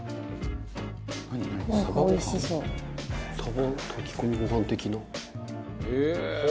「サバ炊き込みご飯的な？」